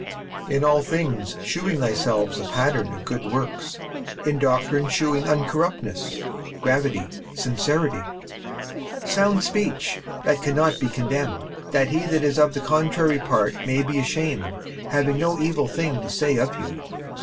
56:002:007 In all things shewing thyself a pattern of good works: in doctrine shewing uncorruptness, gravity, sincerity, 56:002:008 Sound speech, that cannot be condemned; that he that is of the contrary part may be ashamed, having no evil thing to say of you.